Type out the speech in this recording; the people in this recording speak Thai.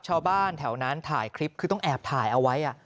ชาวบ้านแถวนั้นถ่ายคลิปคือต้องแอบถ่ายเอาไว้